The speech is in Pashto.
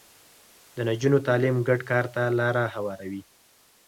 د نجونو تعليم ګډ کار ته لاره هواروي.